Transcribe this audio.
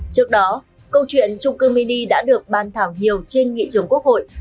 trước đó câu chuyện trung cư mini đã được ban thảo nhiều trên nghị trường quốc hội